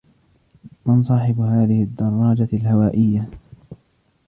من صاحبُ هذه الدراجّة الهوائيّة؟